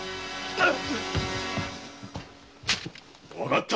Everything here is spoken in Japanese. わかった！